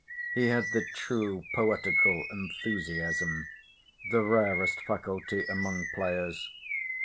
He had the true poetical enthusiasm—the rarest faculty among players.